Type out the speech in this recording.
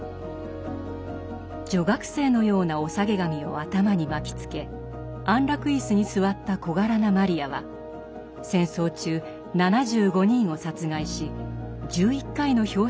女学生のようなお下げ髪を頭に巻きつけ安楽椅子に座った小柄なマリヤは戦争中７５人を殺害し１１回の表彰を受けた狙撃兵でした。